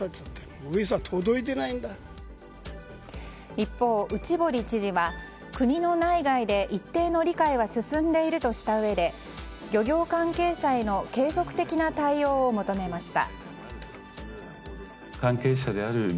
一方、内堀知事は国の内外で一定の理解は進んでいるとしたうえで漁業関係者への継続的な対応を求めました。